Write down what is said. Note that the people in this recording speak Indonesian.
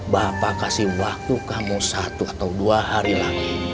bapak kasih waktu kamu satu atau dua hari lagi